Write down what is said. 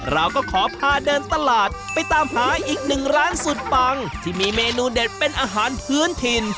เราก็ขอพาเดินตลาดไปตามหาอีกหนึ่งร้านสุดปังที่มีเมนูเด็ดเป็นอาหารพื้นถิ่น